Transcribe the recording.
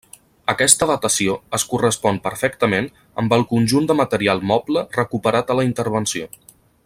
Aquesta datació es correspon perfectament amb el conjunt de material moble recuperat a la intervenció.